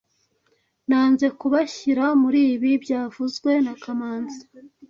Nanze kubashyira muri ibi byavuzwe na kamanzi